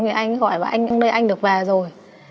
thì anh gọi bảo anh được về rồi